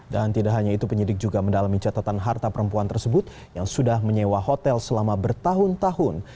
dan tidak hanya itu penyidik juga mendalami catatan harta perempuan tersebut yang sudah menyewa hotel selama bertahun tahun